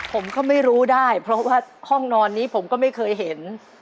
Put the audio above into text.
ผมก็ไม่รู้ได้เพราะว่าห้องนอนนี้ผมก็ไม่เคยเห็น